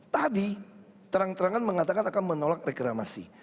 tadi terang terangan mengatakan akan menolak reklamasi